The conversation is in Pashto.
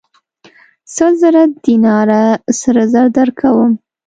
سل زره دیناره سره زر درکوم.